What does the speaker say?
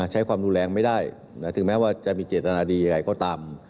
ใช้ความรุนแรงไม่ได้ถึงแม้ว่าจะมีเจตนาดียังไงก็ตาม